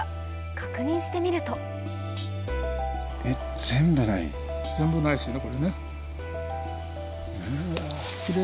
確認してみると全部ないですね。